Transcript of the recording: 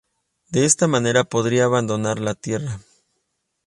De esta manera podría abandonar la Tierra.